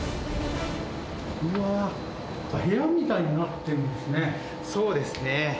うわー、部屋みたいになってそうですね。